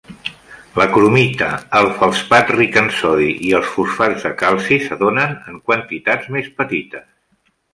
La cromita, el feldspat ric en sodi i els fosfats de calci se donen en quantitats més petites.